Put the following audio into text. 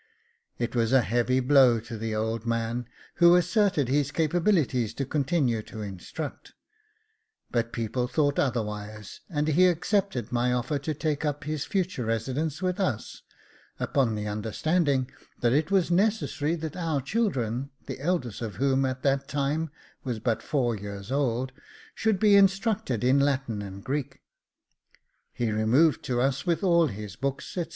It was a heavy blow to the old man, who asserted his capabilities to continue to instruct; but people thought otherwise, and he accepted my offer to take up his future residence with us, upon the understanding that it was necessary that our children, the eldest of whom, at that time, was but four years old, should be instructed in Latin and Greek. He removed to us with all his books, &c.